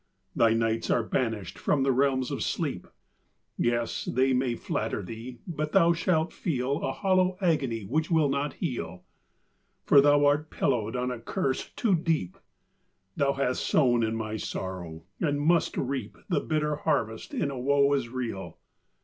Thy nights are banished from the realms of sleep: Yes! they may flatter thee, but thou shall feel A hollow agony which will not heal, For thou art pillowed on a curse too deep; Thou hast sown in my sorrow, and must reap The bitter harvest in a woe as real!